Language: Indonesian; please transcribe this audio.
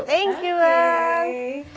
thank you bang